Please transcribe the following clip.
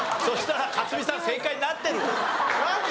そしたら克実さん正解になってるわ。